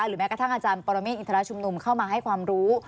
แม้กระทั่งอาจารย์ปรเมฆอินทรชุมนุมเข้ามาให้ความรู้